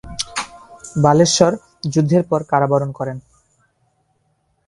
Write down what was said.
বালেশ্বর যুদ্ধের পর কারাবরণ করেন।